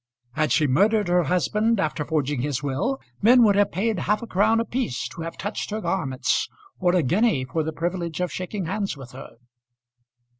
Had she murdered her husband after forging his will, men would have paid half a crown apiece to have touched her garments, or a guinea for the privilege of shaking hands with her.